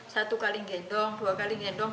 satu kali gendong dua kali gendong